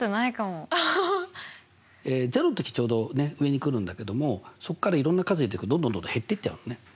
０の時ちょうど上に来るんだけどもそっからいろんな数入れていくとどんどんどんどん減っていっちゃうのね。